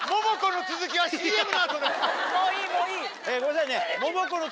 もういいもういい。ごめんなさいね。